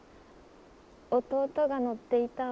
弟が乗っていたわ。